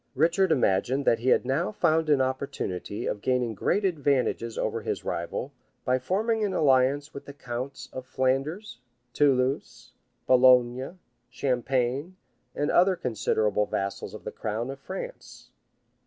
Richard imagined that he had now found an opportunity of gaining great advantages over his rival, by forming an alliance with the counts of Flanders, Toulouse, Boulogne, Champagne, and other considerable vassals of the crown of France.